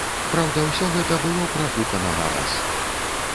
Праўда, усё гэта было прафукана на раз.